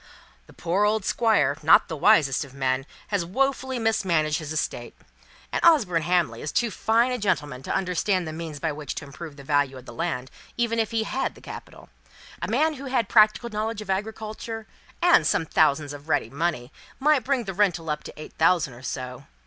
"The poor old Squire not the wisest of men has woefully mismanaged his estate. And Osborne Hamley is too fine a gentleman to understand the means by which to improve the value of the land even if he had the capital. A man who had practical knowledge of agriculture, and some thousands of ready money, might bring the rental up to eight thousand or so.